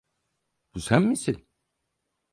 Bu sen misin?